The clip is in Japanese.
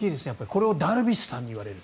これをダルビッシュさんに言われる。